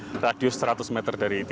sempat ditentang oleh masyarakat setempat ini